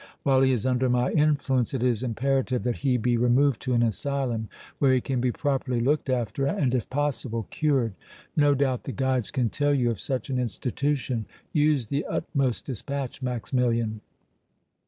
While he is under my influence it is imperative that he be removed to an asylum where he can be properly looked after and if possible cured. No doubt the guides can tell you of such an institution. Use the utmost dispatch, Maximilian!"